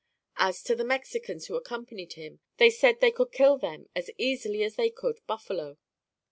As to the Mexicans who accompanied him, they said they could kill them as easily as they could buffalo.